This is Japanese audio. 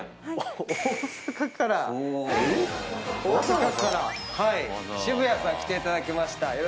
大阪から渋谷さん来ていただきました。